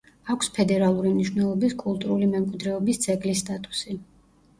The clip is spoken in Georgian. აქვს ფედერალური მნიშვნელობის კულტურული მემკვიდრეობის ძეგლის სტატუსი.